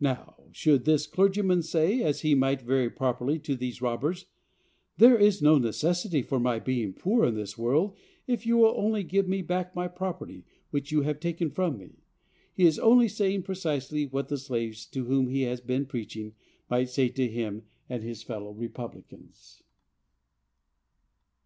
Now, should this clergyman say, as he might very properly, to these robbers,—"There is no necessity for my being poor in this world, if you will only give me back my property which you have taken from me," he is only saying precisely what the slaves to whom he has been preaching might say to him and his fellow republicans.